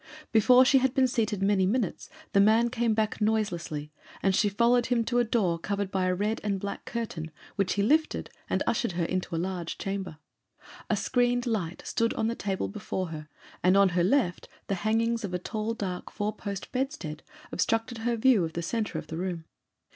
Before she had been seated many minutes the man came back noiselessly, and she followed him to a door covered by a red and black curtain, which he lifted, and ushered her into a large chamber. A screened light stood on a table before her, and on her left the hangings of a tall dark four post bedstead obstructed her view of the centre of the room.